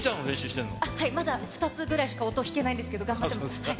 まだ２つぐらいしか音、弾けないんですけど、頑張ってます。